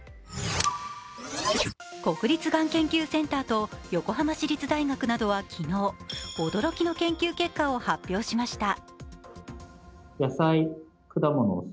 国立がん研究センターと横浜市立大学などは昨日、驚きの研究結果を発表しました。